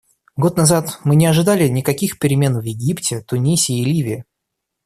Год назад мы не ожидали никаких перемен в Египте, Тунисе и Ливии.